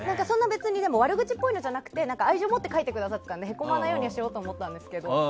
別に悪口っぽいのじゃなくて愛情もって書いてくださってるんでへこまないようにしようと思ったんですけど。